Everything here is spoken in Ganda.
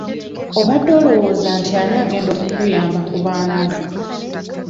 Obadde olowooza nti ani agenda okukuyamba ku baana bo?